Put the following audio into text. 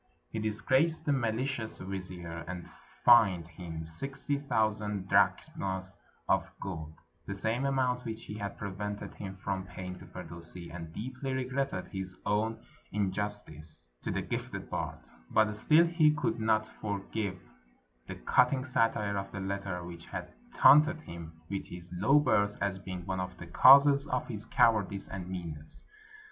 He disgraced the malicious vizier, and fined him sixty thousand drachms of gold, the same amount which he had prevented him from paying to Firdusi, and deeply regretted his own injustice to the gifted bard; but still he could not forgive the cutting satire of the letter which had taunted him with his low birth as being one of the causes of his cowardice and meanness.